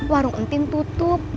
warung untim tutup